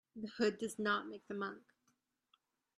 The hood does not make the monk.